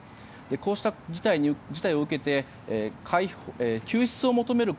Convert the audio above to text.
こうした事態を受けて救出を求める声